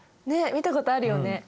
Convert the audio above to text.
ねっ見たことあるよね。